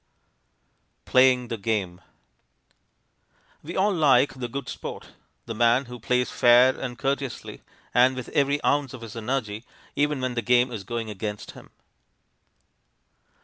PLAYING THE GAME We all like the good sport the man who plays fair and courteously and with every ounce of his energy, even when the game is going against him.